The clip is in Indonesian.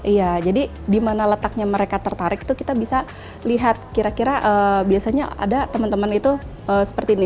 iya jadi di mana letaknya mereka tertarik itu kita bisa lihat kira kira biasanya ada teman teman itu seperti ini